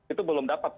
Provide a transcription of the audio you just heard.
itu belum dapat